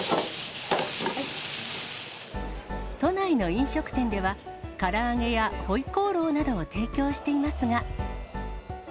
都内の飲食店では、から揚げや回鍋肉などを提供していますが。